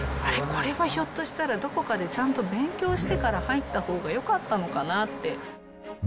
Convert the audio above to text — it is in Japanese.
これはひょっとしたら、どこかでちゃんと勉強してから入ったほうがよかったのかなって。